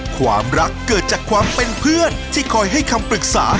ความรักเกิดจากความเป็นเพื่อนที่คอยให้คำปรึกษา